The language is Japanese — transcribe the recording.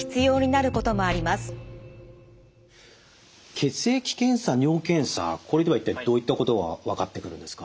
血液検査尿検査これでは一体どういったことが分かってくるんですか？